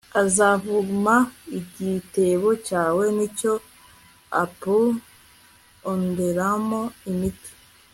azavuma igitebo cyawe+ n'icyo uponderamo imigati